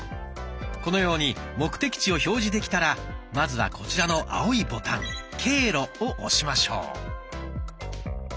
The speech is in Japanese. このように目的地を表示できたらまずはこちらの青いボタン「経路」を押しましょう。